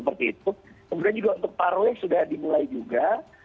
kemudian juga untuk parley sudah dimulai juga